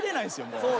もう。